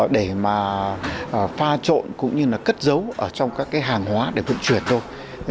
để mà pha trộn cũng như là cất dấu trong các hàng hóa để vận chuyển thôi